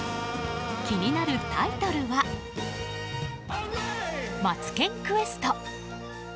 気になるタイトルは「マツケンクエスト」。